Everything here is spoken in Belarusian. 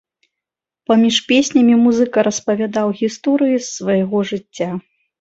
Паміж песнямі музыка распавядаў гісторыі з свайго жыцця.